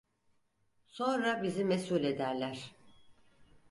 Sonra bizi mesul ederler!